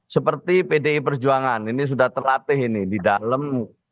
seperti pdi perjuangan ini sudah terlatih ini di dalam